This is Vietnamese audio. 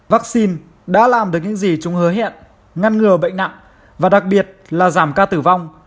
vaccine đã làm được những gì chúng hứa hẹn ngăn ngừa bệnh nặng và đặc biệt là giảm ca tử vong